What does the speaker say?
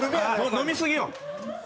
飲みすぎよ。